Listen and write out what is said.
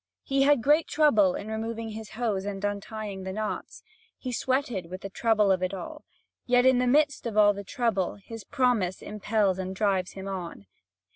He had great trouble in removing his hose and in untying the knots. He sweated with the trouble of it all; yet, in the midst of all the trouble, his promise impels and drives him on.